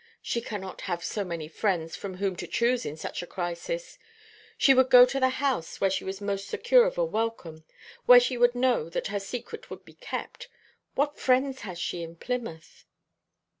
She cannot have so many friends from whom to choose in such a crisis. She would go to the house where she was most sure of a welcome, where she would know that her secret would be kept. What friends has she in Plymouth?"